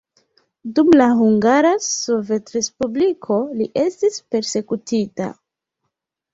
Dum la Hungara Sovetrespubliko li estis persekutita.